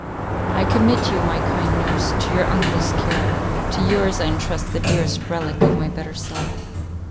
"I commit you, my kind nurse, to your uncle's care; to yours I entrust the dearest relic of my better self.